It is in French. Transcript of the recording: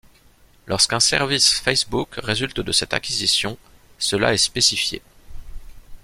Lorsqu'un service Facebook résulte de cette acquisition, cela est spécifié.